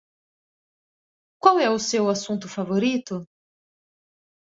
Qual é o seu assunto favorito?